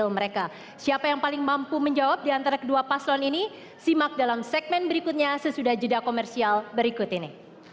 menjawab di antara kedua paslon ini simak dalam segmen berikutnya sesudah jeda komersial berikut ini